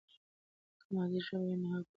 که مادي ژبه وي نو په پوهه کې غدر نه وي.